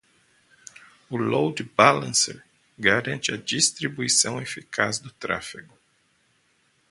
O Load Balancer garante a distribuição eficaz do tráfego.